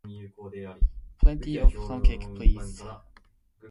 Plenty of plum-cake, please.